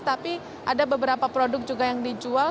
tapi ada beberapa produk juga yang dijual